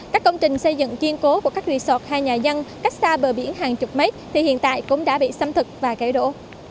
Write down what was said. các công trình xây dựng chiên cố của các resort hay nhà dân cách xa bờ biển hàng chục mấy thì hiện tại cũng đã bị xâm thực và kẻ đổ